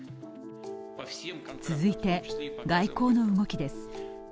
続いて、外交の動きです。